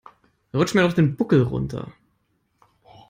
Rutsch mir doch den Buckel runter.